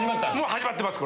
始まってます。